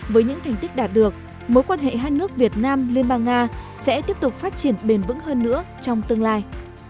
với những thành tích đạt được mối quan hệ hai nước việt nam liên bang nga sẽ tiếp tục phát triển bền vững hơn nữa trong tương lai